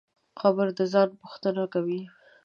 قبر د ځان پوښتنه کوي.